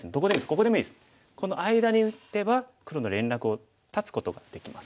この間に打てば黒の連絡を断つことができます。